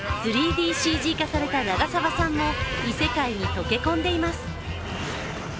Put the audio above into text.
３ＤＣＧ化された長澤さんも異世界に溶け込んでいます。